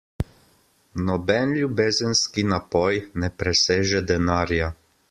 Noben ljubezenski napoj ne preseže denarja.